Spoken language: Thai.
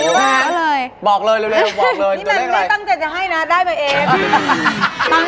นี่แมนไม่ต้องจะให้น่ะได้มาเอง